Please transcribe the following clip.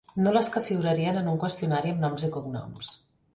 No les que figurarien en un qüestionari amb noms i cognoms.